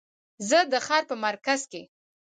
زه د ښار په مرکز کې